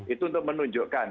itu untuk menunjukkan